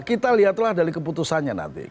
kita lihatlah dari keputusannya nanti